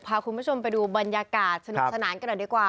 พาคุณผู้ชมไปดูบรรยากาศสนุกสนานกันหน่อยดีกว่า